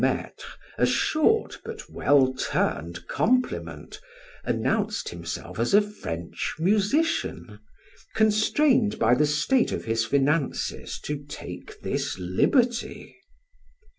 Maitre a short, but well turned compliment, announced himself as a French musician, constrained by the state of his finances to take this liberty.